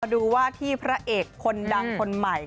ดูว่าที่พระเอกคนดังคนใหม่